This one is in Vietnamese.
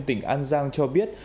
tỉnh an giang cho biết